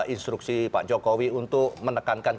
instruksi pak jokowi untuk menekankan